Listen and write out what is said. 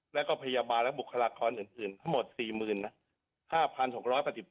และก็พยาบาลและบุคลาคอลอื่นทั้งหมด๔๐๐๐๐ล้านบาท